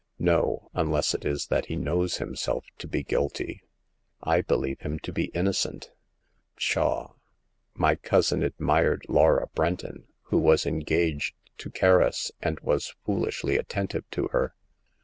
" No ; unless it is that he knows himself to be guilty." '* I believe him to be innocent." Pshaw ! My cousin admired Laura Brenton, who was engaged to Kerris, and was foolishly attentive to her.